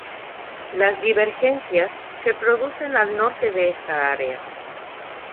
Las divergencias se producen al norte de esta área.